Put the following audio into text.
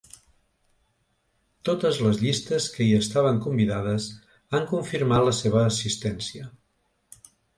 Totes les llistes que hi estaven convidades han confirmat la seva assistència.